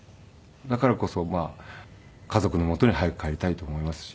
だからこそ家族のもとに早く帰りたいと思いますし。